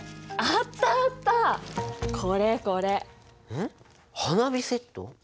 んっ花火セット？